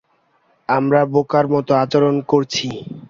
আমরা বোকার মতো আচরণ করছি।